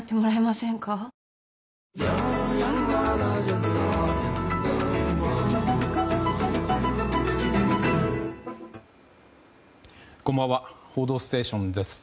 「報道ステーション」です。